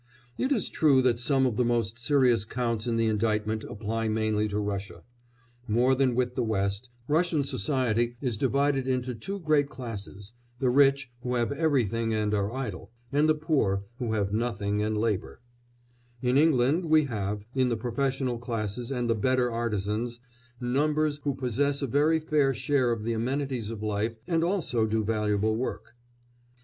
It is true that some of the most serious counts in the indictment apply mainly to Russia. More than with the West, Russian society is divided into two great classes the rich who have everything and are idle, and the poor, who have nothing and labour; in England we have in the professional classes and the better artisans numbers who possess a very fair share of the amenities of life and also do valuable work.